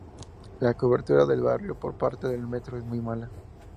La cobertura del barrio por parte del metro es muy mala.